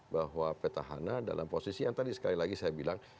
bahwa petahana dalam posisi yang tadi sekali lagi saya bilang